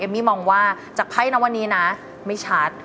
มี่มองว่าจากไพ่นะวันนี้นะไม่ชัด